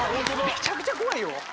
めちゃくちゃ怖いよ。